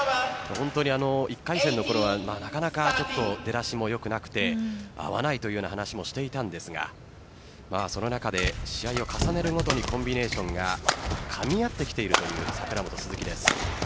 １回戦のころはなかなか出だしも良くなくて合わないというような話もしていたんですがその中で試合を重ねるごとにコンビネーションがかみ合ってきているという櫻本・鈴木です。